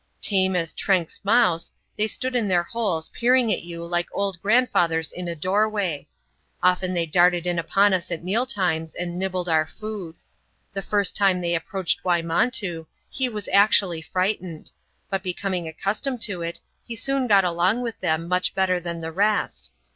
Tame as Trenck's mouse, they stood in their holes peering at you like old grandfathers in a doorway. Often they darted in upon us at meal times, and nibbled our food. The first time they ap proached Wymontoo, he was actually frightened ; but becoming accustomed to it, he soon got along with them much better than the rest.